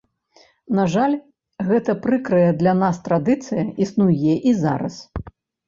На жаль, гэта прыкрая для нас традыцыя існуе і зараз.